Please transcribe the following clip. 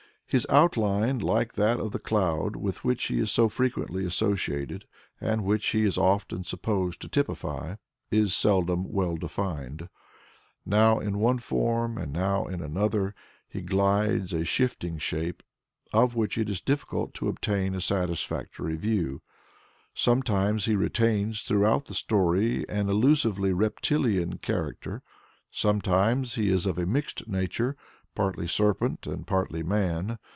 His outline, like that of the cloud with which he is so frequently associated, and which he is often supposed to typify, is seldom well defined. Now in one form and now in another, he glides a shifting shape, of which it is difficult to obtain a satisfactory view. Sometimes he retains throughout the story an exclusively reptilian character; sometimes he is of a mixed nature, partly serpent and partly man.